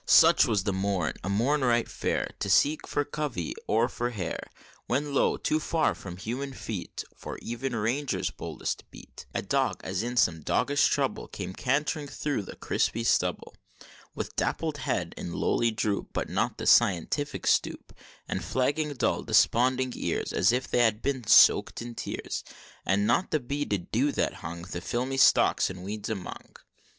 Such was the morn a morn right fair To seek for covey or for hare When, lo! too far from human feet For even Ranger's boldest beat, A Dog, as in some doggish trouble, Came cant'ring through the crispy stubble, With dappled head in lowly droop, But not the scientific stoop; And flagging, dull, desponding ears, As if they had been soak'd in tears, And not the beaded dew that hung The filmy stalks and weeds among.